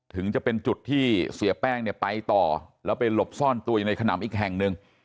ถึงจะเป็นจุดที่เสียแป้งเนี่ยไปต่อแล้วไปหลบซ่อนตัวอยู่ในขนำอีกแห่งหนึ่ง